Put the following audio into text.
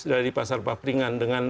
dari pasar paperingan dengan